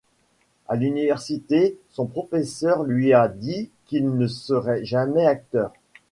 À l'université, son professeur lui a dit qu'il ne serait jamais acteur.